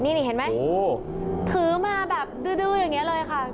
นี่เห็นไหมถือมาแบบดื้ออย่างนี้เลยค่ะ